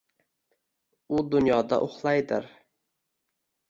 — U dunyoda uxlaydir.